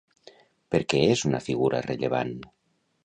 Per què és una figura rellevant?